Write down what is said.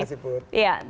terima kasih pur